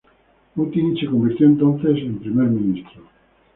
Putin se convirtió entonces en primer ministro.